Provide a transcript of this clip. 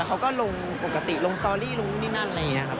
เขาก็ลงปกติลงสตอรี่ลงนู่นนี่นั่นอะไรอย่างนี้ครับ